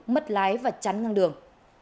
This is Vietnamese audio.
mất lái và chắn ngang đường